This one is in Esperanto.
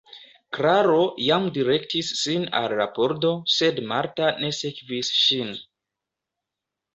Klaro jam direktis sin al la pordo, sed Marta ne sekvis ŝin.